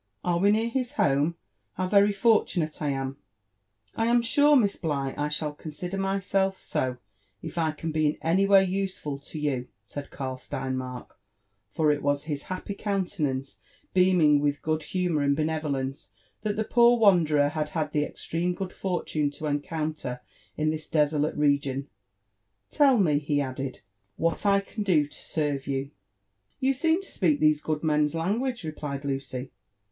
Are we near his home?— How very fortunate I ami" " I am sure. Miss Bligh, I shall consider myself so, if I can be in any way useful to you," said Karl Steinmark; for it was his happy countenance, beaming with good humour and benevolence, that the poor wanderer had had the extreme good fortune to encounter in this desolate region. "Tell me," he added, "what I can do to serve you*' "You seem to speak these good men's language," replied Lucy.